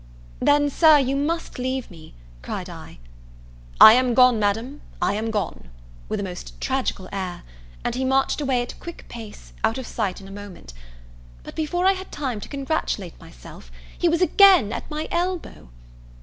"Then, Sir, you must leave me," cried I. "I am gone, Madam, I am gone!" with a most tragical air; and he marched away at a quick pace, out of sight in a moment; but before I had time to congratulate myself, he was again at my elbow.